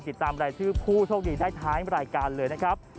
ติดตามรายชื่อผู้โชคดีได้ท้ายรายการเลยนะครับ